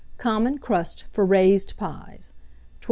COMMON CRUST FOR RAISED PIES. 1217.